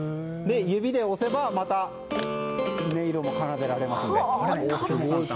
指で押せばまた、音色も奏でられますのでとても簡単。